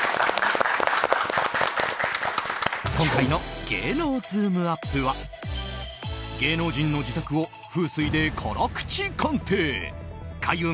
今回の芸能ズームＵＰ！は芸能人の自宅を風水で辛口鑑定開運！